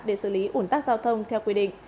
để xử lý ủn tắc giao thông theo quy định